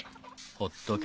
ほっとけ